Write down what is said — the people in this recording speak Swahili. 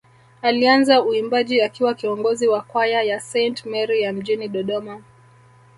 Alianza uimbaji akiwa kiongozi wa kwaya ya Saint Mary ya mjini Dodoma